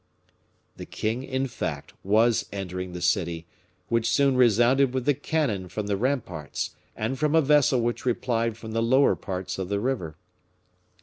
The king, in fact, was entering the city, which soon resounded with the cannon from the ramparts, and from a vessel which replied from the lower parts of the river.